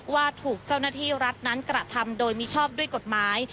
ว่าถูกเจ้าหน้าที่รัฐนั้นกระทำโดยมิชอบด้วยกฎหมาย